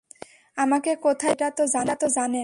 আমাকে কোথায় পাবেন সেটা তো জানেন।